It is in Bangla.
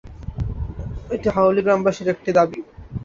এটা হাউলী গ্রামবাসীর একটি দাবি।